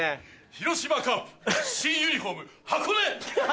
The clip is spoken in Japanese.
広島カープ新ユニホーム箱根！